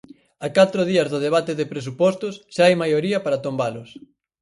A catro días do debate de Presupostos, xa hai maioría para tombalos.